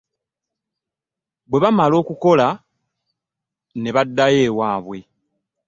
Bwe bamala okukola ne baddayo ewaabwe.